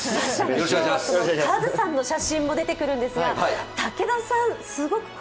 カズさんの写真も出てくるんですが、武田さん。